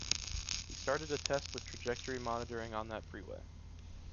We started a test with trajectory monitoring on that freeway.